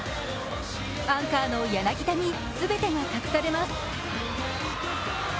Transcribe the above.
アンカーの柳田に全てが託されます。